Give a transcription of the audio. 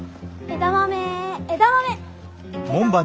枝豆枝豆。